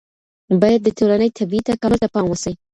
باید د ټولني طبیعي تکامل ته پام وسي.